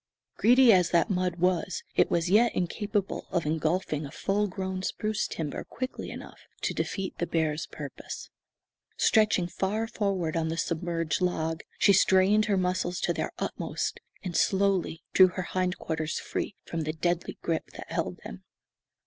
Greedy as that mud was, it was yet incapable of engulfing a full grown spruce timber quickly enough to defeat the bear's purpose. Stretching far forward on the submerged log, she strained her muscles to their utmost, and slowly drew her hind quarters free from the deadly grip that held them.